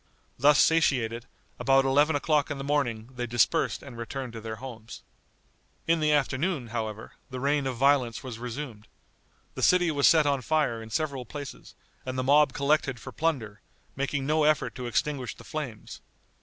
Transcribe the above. Thus satiated, about eleven o'clock in the morning they dispersed and returned to their homes. In the afternoon, however, the reign of violence was resumed. The city was set on fire in several places, and the mob collected for plunder, making no effort to extinguish the flames.